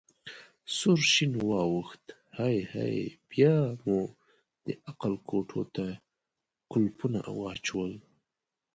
سور شین واوښت: هی هی، بیا مو د عقل کوټو ته کولپونه واچول.